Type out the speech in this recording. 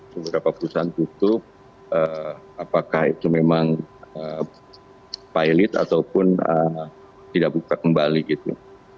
beberapa perusahaan tutup apakah itu memang pilot ataupun tidak buka kembali gitu